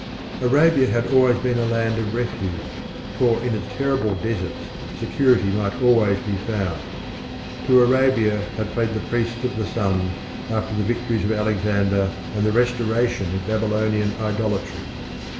Arabia had always been a land of refuge, for in its terrible deserts security might always be found. To Arabia had fled the Priests of the Sun after the victories of Alexander and the restoration of Babylonian idolatry.